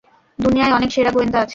দুনিয়ায় অনেক সেরা গোয়েন্দা আছে!